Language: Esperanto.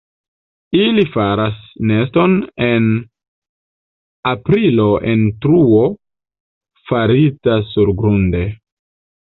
Ili faras neston en aprilo en truo farita surgrunde.